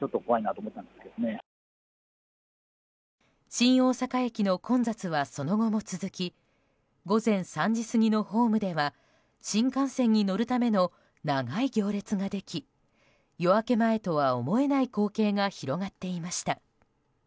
新大阪駅の混雑はその後も続き午前３時過ぎのホームでは新幹線に乗るための長い行列ができ夜明け前とは思えない光景が広がっていました。